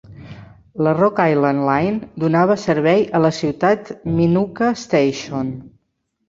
La Rock Island Line donava servei a la ciutat a Minooka Station.